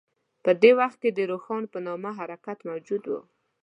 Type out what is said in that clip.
په دې وخت کې روښان په نامه حرکت موجود و.